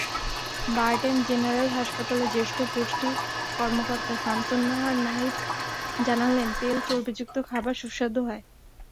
BIRDEM general হাসপাতালের জ্যেষ্ঠ পুষ্টি কর্মকর্তা শামসুন্নাহার নাহিদ জানালেন, তেল-চর্বিযুক্ত খাবার সুস্বাদু হয়।